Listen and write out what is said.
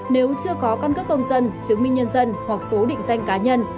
nếu chưa có căn cước công dân chứng minh nhân dân hoặc số định danh cá nhân